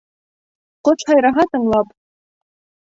Ҡош һайраһа, тыңлап